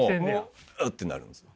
「うっ！」ってなるんですよ。